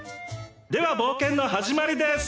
では冒険の始まりです。